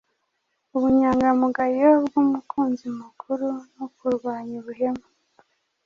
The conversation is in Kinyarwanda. ubunyangamugayo bw’umwunzi mukuru no kurwanya ubuhemu